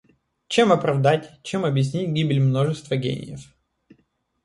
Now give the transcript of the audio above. Чем оправдать, чем объяснить гибель множества гениев?